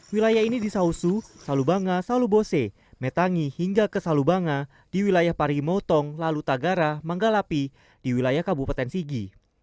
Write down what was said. wilayah ini di sausu salubanga salubose metangi hingga ke salubanga di wilayah parimotong lalu tagara manggalapi di wilayah kabupaten sigi